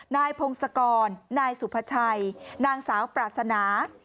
นายพงศกรนายสุภาชัยนางสาวปรารถนา